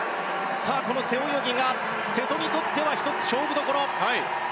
この背泳ぎが瀬戸にとっては１つ勝負どころ。